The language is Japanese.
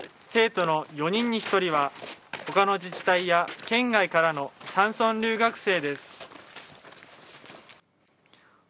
生徒の４人に１人はほかの自治体や県外からの山村留学生です。